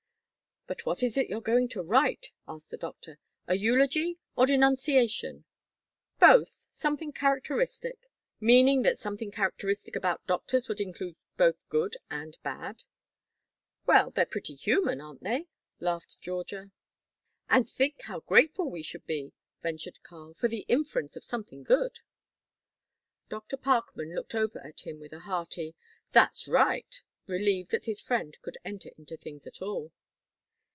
"But what is it you're going to write," asked the doctor, "a eulogy or denunciation?" "Both; something characteristic." "Meaning that something characteristic about doctors would include both good and bad?" "Well, they're pretty human, aren't they?" laughed Georgia. "And think how grateful we should be," ventured Karl, "for the inference of something good." Dr. Parkman looked over at him with a hearty: "That's right," relieved that his friend could enter into things at all.